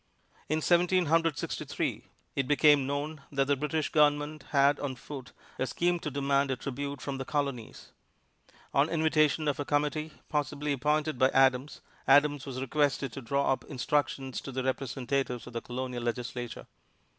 In Seventeen Hundred Sixty three, it became known that the British Government had on foot a scheme to demand a tribute from the Colonies. On invitation of a committee, possibly appointed by Adams, Adams was requested to draw up instructions to the Representatives in the Colonial Legislature.